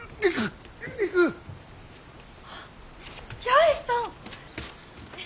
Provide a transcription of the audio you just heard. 八重さん！